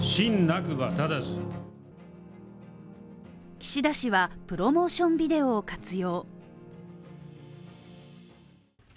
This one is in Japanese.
岸田氏は、プロモーションビデオを活用。